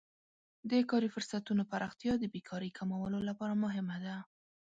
د کاري فرصتونو پراختیا د بیکارۍ کمولو لپاره مهمه ده.